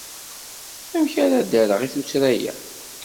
Amek ara d-rreɣ i tuttra-a?